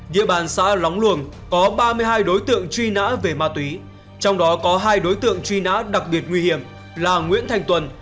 địa bàn xã lóng luồng có ba mươi hai đối tượng truy nã về ma túy trong đó có hai đối tượng truy nã đặc biệt nguy hiểm là nguyễn thành tuần